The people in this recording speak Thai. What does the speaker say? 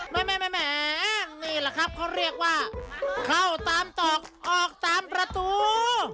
แม่แม่แม่แม่นี่ล่ะครับเขาเรียกว่าเข้าตามตกออกตามประตู